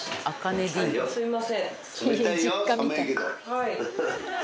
はい。